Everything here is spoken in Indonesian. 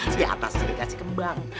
di atas dikasih kembang